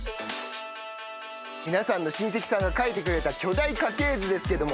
皆さんの親戚さんが描いてくれた巨大家系図ですけども。